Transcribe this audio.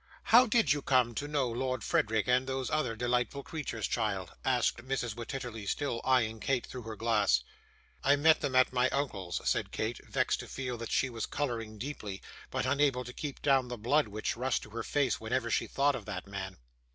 'How did you come to know Lord Frederick, and those other delightful creatures, child?' asked Mrs. Wititterly, still eyeing Kate through her glass. 'I met them at my uncle's,' said Kate, vexed to feel that she was colouring deeply, but unable to keep down the blood which rushed to her face whenever she thought of that man.